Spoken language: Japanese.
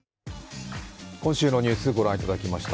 今週のニュースご覧いただきました。